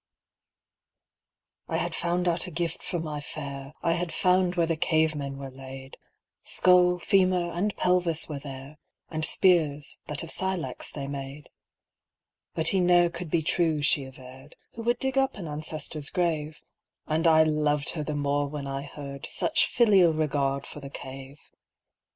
I HAD found out a gift for my fair, I had found where the cave men were laid Skull, femur, and pelvis were there. And spears, that of silex they made. But he ne'er could be true, she averred, Who would dig up an ancestor's grave â And I loved her the more when I heard Such filial regard for the Cave.